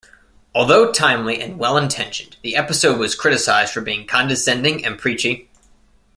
Although timely and well-intentioned, the episode was criticized for being condescending and preachy.